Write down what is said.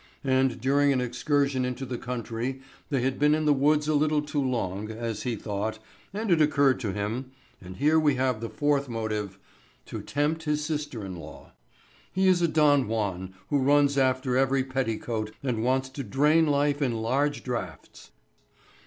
And during an excursion into the country they had been in the woods a little too long, as he thought, and it occurred to him and here we have the fourth motive to tempt his sister in law. He is a Don Juan who runs after every petticoat and wants to drain life in large draughts.